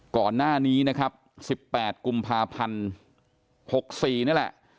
ก่อนหน้านี้นะครับ๑๘กุมภาพันธ์๖๔นี่แหละ